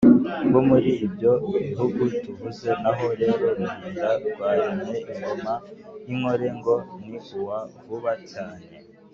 bo muri ibyo bihugu tuvuze. naho rero ruhinda rwaremye ingoma y’inkore ngo ni uwa vuba cyane,